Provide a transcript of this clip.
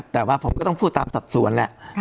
แต่ว่าผมก็ต้องพูดตามสัดส่วนแหละ